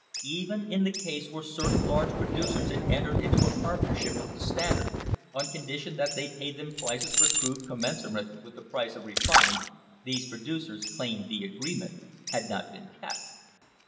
Even in the case where certain large producers had entered into a partnership with the Standard on condition that they pay them prices for crude commen surate with the price of refined, these producers claimed the agreement had not been kept.